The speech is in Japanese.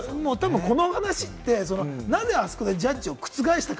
この話って、なぜあそこでジャッジを覆したか。